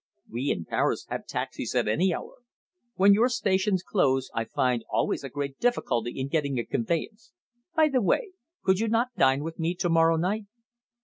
We, in Paris, have taxis at any hour. When your stations close I find always a great difficulty in getting a conveyance. By the way! Could you not dine with me to morrow night?"